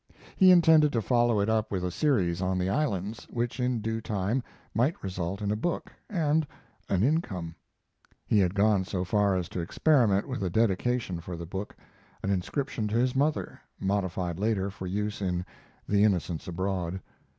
He intended to follow it up with a series on the islands, which in due time might result in a book and an income. He had gone so far as to experiment with a dedication for the book an inscription to his mother, modified later for use in 'The Innocents Abroad'.